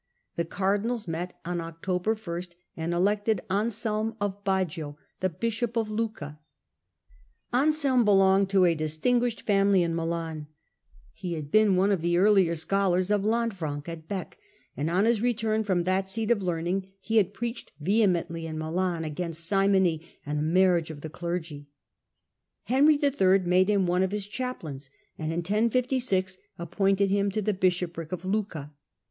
The cardinals met on October I The Oar ^^*^ elected Anselm of Baggio, the bishop of ^^^ Lucca, Anselm belonged to a distinguished Lucca family in Milan ; he had been one of the earlier scholars of Lanfranc at Bee, and on his return from that seat of learning he had preached vehemenj^ly at Milan against simony and the marriage of the clergy. Henry JII. made him one of his chaplains, and in 1066 appointed him to the bishopric of Lucca.